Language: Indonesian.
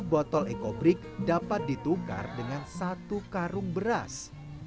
sepuluh botol eco break dapat ditukar dengan satu karung beras